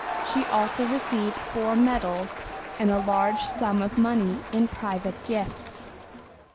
She also received four medals, and a large sum of money in private gifts.